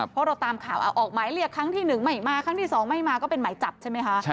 เพราะเราตามข่าวออกหมายเรียกครั้งที่๑ไม่มาครั้งที่๒ไม่มาก็เป็นหมายจับใช่ไหมคะ